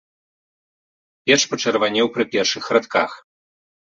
Перш пачырванеў пры першых радках.